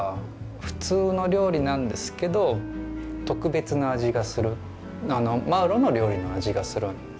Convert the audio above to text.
普通の料理なんですけど特別な味がするマウロの料理の味がするんですね。